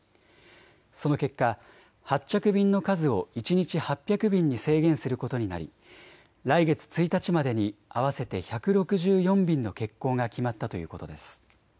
その結果、発着便の数を一日８００便に制限することになり来月１日までに合わせて１６４便の欠航が決まったということです。